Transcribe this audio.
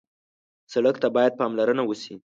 سړک ته باید پاملرنه وشي.